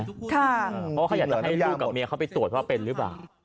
เพราะว่าเขาอยากจะให้ลูกกับเมียเขาไปตรวจว่าเป็นหรือเปล่า